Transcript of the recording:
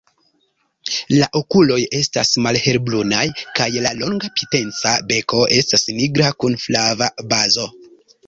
La okuloj estas malhelbrunaj kaj la longa, pinteca beko estas nigra kun flava bazo.